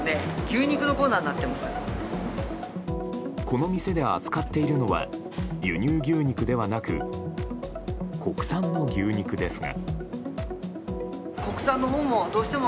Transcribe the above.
この店で扱っているのは輸入牛肉ではなく国産の牛肉ですが。